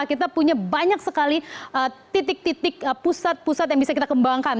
kita punya banyak sekali titik titik pusat pusat yang bisa kita kembangkan